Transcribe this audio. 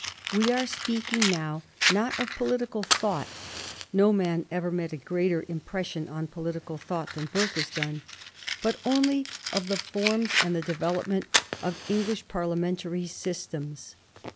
We are speaking now not of political thought — ^no man ever made a greater impression on political thought than Burke has done — ^but only of the forms and the development of English Parliamentary systems.